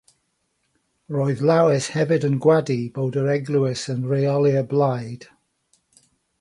Roedd Lewis hefyd yn gwadu bod yr eglwys yn rheoli'r blaid.